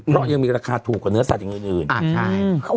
เพราะยังมีราคาถูกกว่าเนื้อสัตว์อย่างอื่นใช่